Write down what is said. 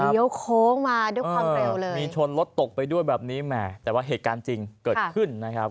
โค้งมาด้วยความเร็วเลยมีชนรถตกไปด้วยแบบนี้แหมแต่ว่าเหตุการณ์จริงเกิดขึ้นนะครับ